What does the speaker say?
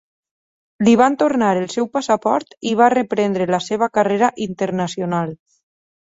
Li van tornar el seu passaport i va reprendre la seva carrera internacional.